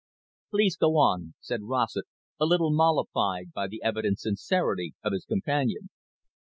"Please go on," said Rossett, a little mollified by the evident sincerity of his companion.